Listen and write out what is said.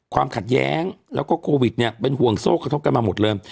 ความขัดแย้งแล้วก็โควิดเนี่ยเป็นห่วงโซ่กระทบกันมาหมดเลย